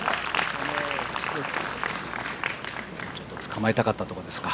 ちょっとつかまえたかったところですか。